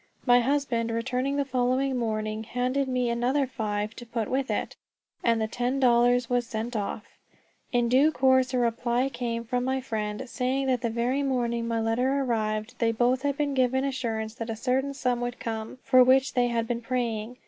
My husband, returning the following morning, handed me another five to put with it, and the ten dollars was sent off. In due course a reply came from my friends, saying that the very morning my letter arrived they both had been given assurance that a certain sum would come, for which they had been praying.